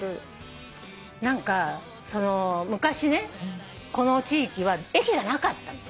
何か昔ねこの地域は駅がなかったの。